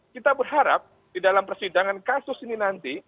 kita berharap di dalam persidangan kasus ini nanti